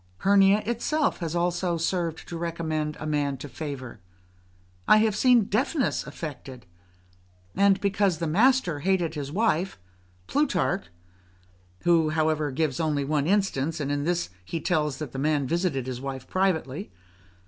Hernia itself has also served to recommend a man to favour; I have seen deafness affected; and because the master hated his wife, Plutarch [who, however, only gives one instance; and in this he tells us that the man visited his wife privately.